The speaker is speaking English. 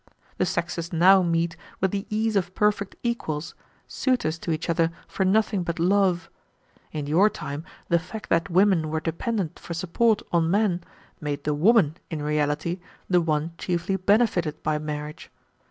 The sexes now meet with the ease of perfect equals, suitors to each other for nothing but love. In your time the fact that women were dependent for support on men made the woman in reality the one chiefly benefited by marriage.